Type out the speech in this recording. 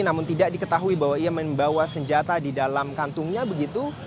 namun tidak diketahui bahwa ia membawa senjata di dalam kantungnya begitu